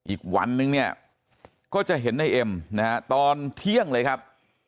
อีกวันหนึ่งก็จะเห็นในเอ็มตอนเที่ยงเลยครับ